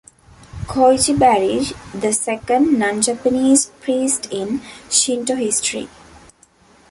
Koichi Barrish, the second non-Japanese priest in Shinto history.